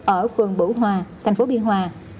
ở phường bửu hòa tp biên hòa